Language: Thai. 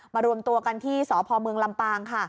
มารวมตัวกันที่ที่สพลลำปางค่ะ